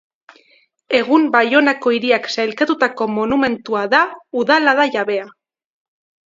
Egun Baionako hiriak sailkatutako monumentua da Udala da jabea.